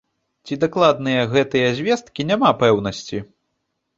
Ці дакладныя гэтыя звесткі, няма пэўнасці.